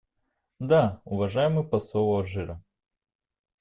Да, уважаемый посол Алжира.